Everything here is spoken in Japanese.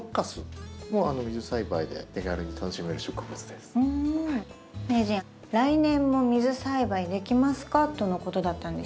「来年も水栽培できますか？」とのことだったんですけどできますか？